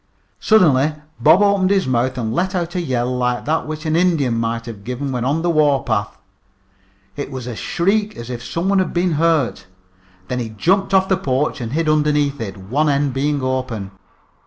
Suddenly Bob opened his mouth and let out a yell like that which an Indian might have given when on the warpath. It was a shriek as if some one had been hurt. Then he jumped off the porch and hid underneath it, one end being open.